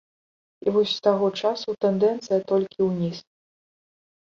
І вось з таго часу тэндэнцыя толькі ўніз.